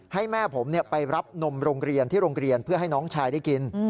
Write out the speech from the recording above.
ให้แม่ผมไปรับนมโรงเรียนที่โรงเรียนเพื่อให้น้องชายได้กิน